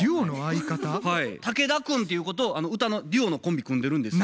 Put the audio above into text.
竹田くんっていう子と歌のデュオのコンビ組んでるんですよ。